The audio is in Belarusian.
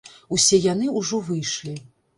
Усе яны ўжо выйшлі.